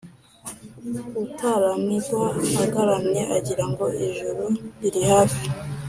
Utaranigwa agaramye agirango ijuru ririhafi